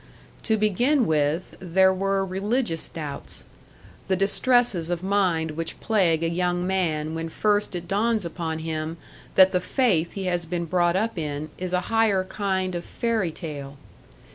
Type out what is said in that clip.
To begin with, there were religious doubts; the distresses of mind which plague a young man when first it dawns upon him that the faith he has been brought up in is a higher kind of fairy tale.